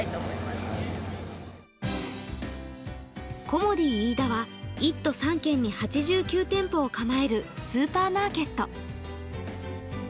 コモディイイダは１都３県に８９店を構えるスーパーマーケット。